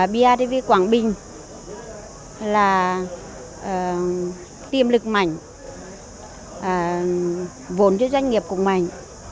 bidv quảng bình là tiềm lực mạnh vốn cho doanh nghiệp cũng mạnh